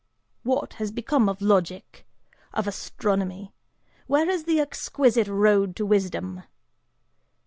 What has become of logic? of astronomy? Where is the exquisite road to wisdom?